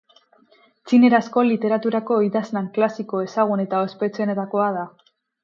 Txinerazko literaturako idazlan klasiko ezagun eta ospetsuenetakoa da.